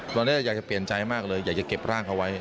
ตอนนี้อยากจะเปลี่ยนใจมากเลยอยากจะเก็บร่างเขาไว้